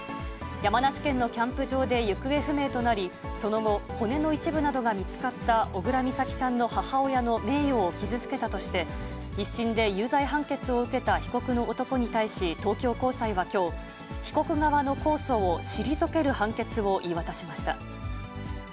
山梨県のキャンプ場で行方不明となり、その後、骨の一部などが見つかった小倉美咲さんの母親の名誉を傷つけたとして、１審で有罪判決を受けた被告の男に対し東京高裁はきょう、被告側の控訴を退ける判決を言い渡しました。